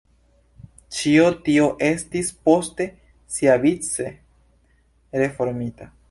Ĉio tio estis poste siavice reformita.